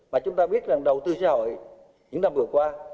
mà chúng ta biết rằng đầu tư xã hội những năm vừa qua